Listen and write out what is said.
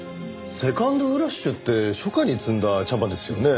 セカンドフラッシュって初夏に摘んだ茶葉ですよね。